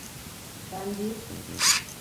Ben bir…